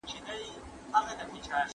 د غوښې تازه والی د هغې په رنګ پورې اړه لري.